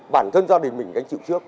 bản thân gia đình mình gánh chịu